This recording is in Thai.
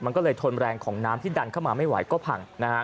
มันก็เลยทนแรงของน้ำที่ดันเข้ามาไม่ไหวก็พัง